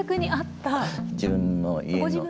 自分の家の。